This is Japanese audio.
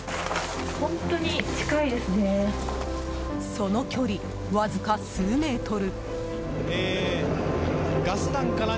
その距離、わずか数メートル。